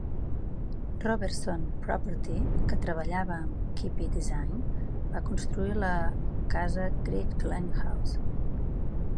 Robertson Property, que treballava amb Keppie Design, va construir la casa Great Glen House.